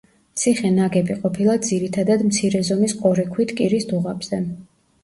ციხე ნაგები ყოფილა ძირითადად მცირე ზომის ყორე ქვით კირის დუღაბზე.